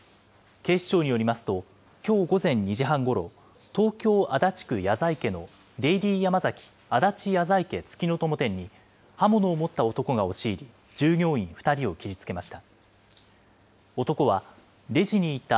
警視庁によりますと、きょう午前２時半ごろ、東京・足立区谷在家のデイリーヤマザキ足立谷在家月の友店に、刃物を持った男が押し入り、従業員２人を切りつけました。